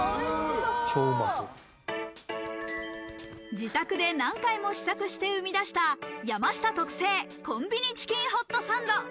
自宅で何回も試作して生み出した、山下特製コンビニチキンホットサンド。